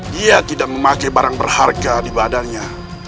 dia tidak memakai barang berharga di badannya